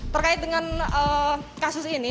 terkait dengan kasus ini